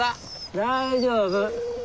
大丈夫。